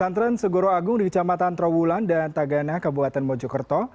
pesantren segoro agung di kecamatan trawulan dan tagana kabupaten mojokerto